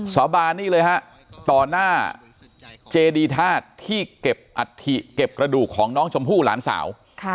สาบานนี่เลยฮะต่อหน้าเจดีธาตุที่เก็บอัฐิเก็บกระดูกของน้องชมพู่หลานสาว